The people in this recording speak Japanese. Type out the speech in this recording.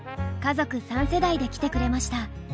家族３世代で来てくれました。